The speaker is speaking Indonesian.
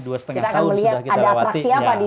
dua setengah tahun sudah kita lewati